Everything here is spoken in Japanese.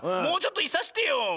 もうちょっといさしてよ。